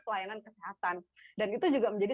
pelayanan kesehatan dan itu juga menjadi